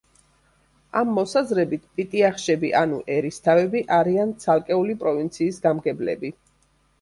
ამ მოსაზრებით, „პიტიახშები“ ანუ „ერისთავები“ არიან ცალკეული პროვინციის გამგებლები.